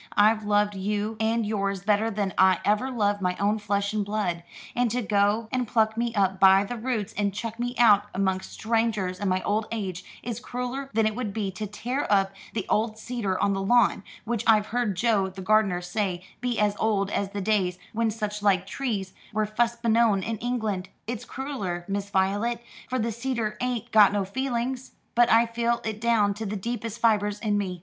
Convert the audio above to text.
I've loved you and yours better than I ever loved my own flesh and blood: and to go and pluck me up by the roots and chuck me out amongst strangers in my old age, is crueller than it would be to tear up the old cedar on the lawn, which I've heard Joe the gardener say be as old as the days when such like trees was fust beknown in England. It's crueller, Miss Voylet, for the cedar ain't got no feelings but I feel it down to the deepest fibres in me.